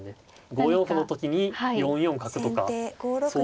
５四歩の時に４四角とかそういう。